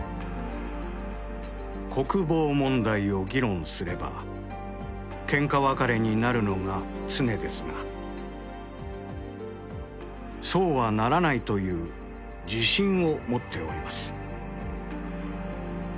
「国防問題を議論すればケンカ別れになるのが常ですがそうはならないという自信を持っております」。